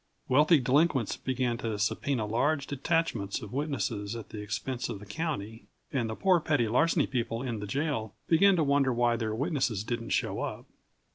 Wealthy delinquents began to subpoena large detachments of witnesses at the expense of the county, and the poor petty larceny people in the jail began to wonder why their witnesses didn't show up.